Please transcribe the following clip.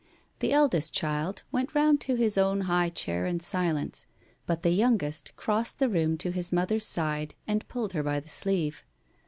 The eldest child went round to his own high chair in silence, but the youngest crossed the room to his mother's side and pulled her by the sleeve.